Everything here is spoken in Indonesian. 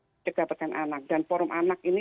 menjaga perkanan anak dan forum anak ini